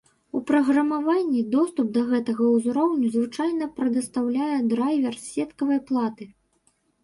У праграмаванні, доступ да гэтага узроўню звычайна прадастаўляе драйвер сеткавай платы.